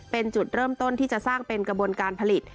เป็นจุดเริ่มต้นที่จะสร้างเป็นกระบวนการผลิต